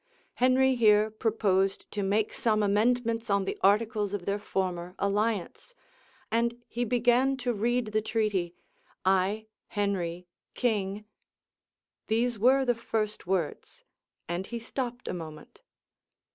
Henry here proposed to make some amendments on the articles of their former alliance; and he began to read the treaty, "I Henry, king:" these were the first words; and he stopped a moment.